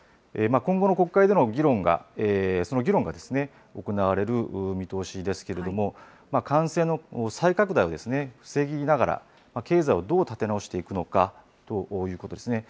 今後の国会での議論が、その議論が行われる見通しですけれども、感染の再拡大を防ぎながら、経済をどう立て直していくのかということですね。